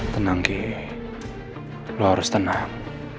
tenang ke lo harus tenang